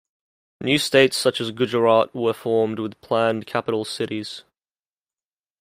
New states such as Gujarat were formed with planned capital cities.